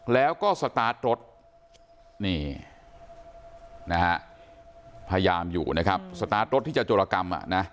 แล้วก็สตาร์ทรถพยายามอยู่นะครับสตาร์ทรถที่จะโจรกรรม